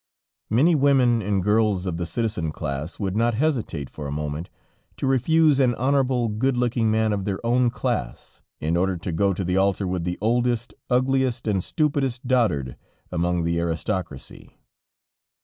Many women and girls of the citizen class would not hesitate for a moment to refuse an honorable, good looking man of their own class, in order to go to the altar with the oldest, ugliest and stupidest dotard among the aristocracy.